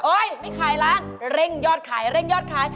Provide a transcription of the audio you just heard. โอ๊ยไม่ขายร้านต้องเร่งยอดขาย